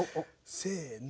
せの。